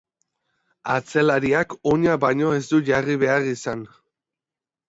Atzelariak oina baino ez du jarri behar izan.